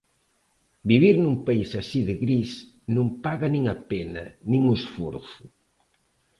Vivir nun país así de gris non paga nin a pena, nin o esforzo.